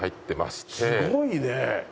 すごいね。